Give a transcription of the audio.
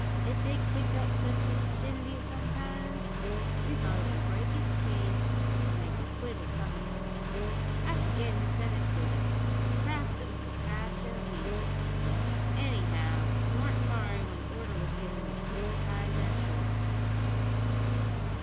It did kick up such a shindy sometimes! We thought it would break its cage an make a quid o' some of us. I forget who sent it to us p'raps it was the Pasha of Egypt; anyhow we weren't sorry when the order was given to put the tiger ashore.